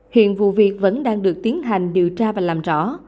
hiện vụ việc vẫn đang được tiến hành điều tra và làm rõ